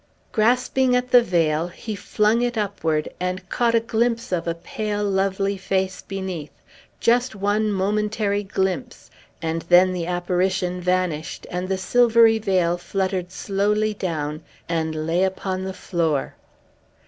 Grasping at the veil, he flung it upward, and caught a glimpse of a pale, lovely face beneath; just one momentary glimpse, and then the apparition vanished, and the silvery veil fluttered slowly down and lay upon the floor.